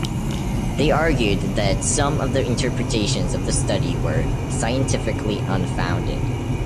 They argued that some of the interpretations of the study were "scientifically unfounded".